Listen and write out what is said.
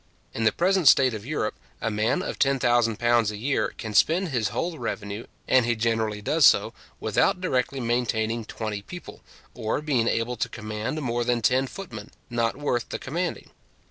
In the present state of Europe, a man of £10,000 a year can spend his whole revenue, and he generally does so, without directly maintaining twenty people, or being able to command more than ten footmen, not worth the commanding.